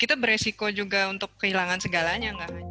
kita beresiko juga untuk kehilangan segalanya